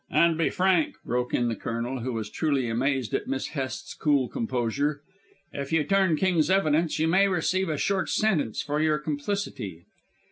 "And be frank," broke in the Colonel, who was truly amazed at Miss Hest's cool composure. "If you turn King's evidence you may receive a short sentence for your complicity."